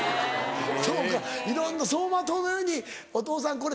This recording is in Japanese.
そうかいろんな走馬灯のように「お父さんこれ」